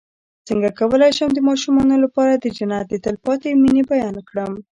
څنګه کولی شم د ماشومانو لپاره د جنت د تل پاتې مینې بیان کړم